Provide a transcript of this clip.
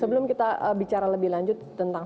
sebelum kita bicara lebih lanjut tentang